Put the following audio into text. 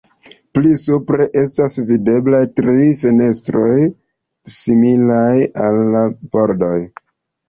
Pli supre estas videblaj tri fenestroj similaj al la pordoj.